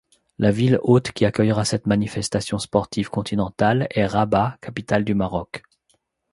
La ville-hôte qui accueillera cette manifestation sportive continentale est Rabat, capitale du Maroc.